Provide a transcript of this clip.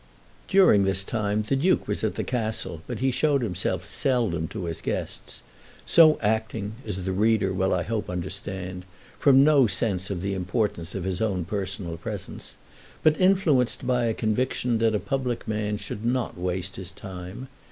During this time the Duke was at the Castle, but he showed himself seldom to his guests, so acting, as the reader will I hope understand, from no sense of the importance of his own personal presence, but influenced by a conviction that a public man should not waste his time.